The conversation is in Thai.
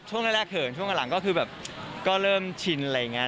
ช่วงแรกเขินช่วงหลังก็คือแบบก็เริ่มชินอะไรอย่างนี้